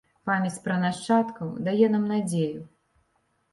Памяць пра нашчадкаў дае нам надзею.